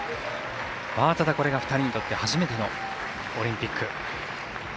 ただ、これが２人にとって初めてのオリンピック。